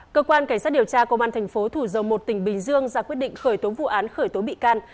cơ quan cảnh sát điều tra công an thành phố thủ dầu một tỉnh bình dương ra quyết định khởi tố vụ án khởi tố bị can